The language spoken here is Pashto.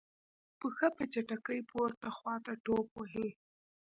پښه په چټکۍ پورته خواته ټوپ وهي.